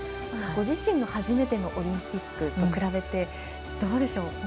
ご自身の初めてのオリンピックと比べてどうでしょう？